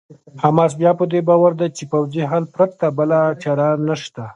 حماس بیا په دې باور دی چې پوځي حل پرته بله چاره نشته.